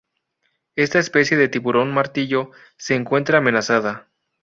Esta especie de tiburón martillo se encuentra amenazada.